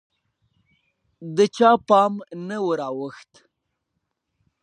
د چا پام نه وراوښت